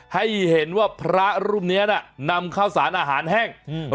ให้เห็นว่าพระรูปเนี้ยน่ะนำข้าวสารอาหารแห้งอืม